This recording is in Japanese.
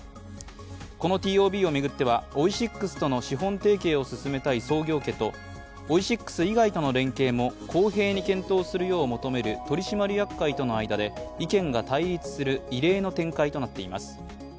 このＴＯＢを巡ってはオイシックスとの資本提携を進めたい創業家とオイシックス以外との連携も公平に検討するよう求める取締役会との間で意見が対立する異例の展開となっています。